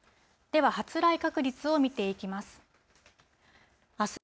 では、発雷確率を見ていきます。